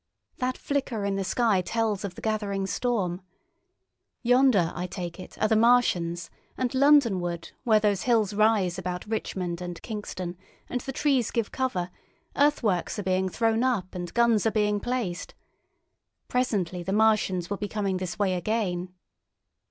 That flicker in the sky tells of the gathering storm. Yonder, I take it are the Martians, and Londonward, where those hills rise about Richmond and Kingston and the trees give cover, earthworks are being thrown up and guns are being placed. Presently the Martians will be coming this way again."